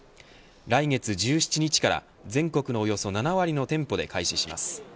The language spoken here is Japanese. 来月１７日から全国のおよそ７割の店舗で開始します。